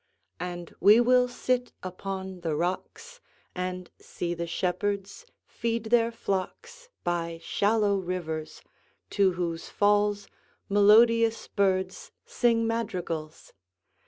And we will sit upon the rocks, 5 And see the shepherds feed their flocks By shallow rivers, to whose falls Melodious birds sing madrigals.